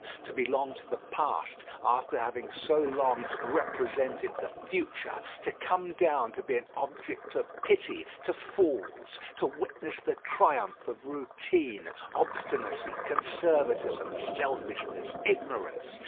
To belong to the past, after having so long represented the future. To come down to be an object of pity to fools, to witness the triumph of routine, obstinacy, conservatism, selfishness, ignorance.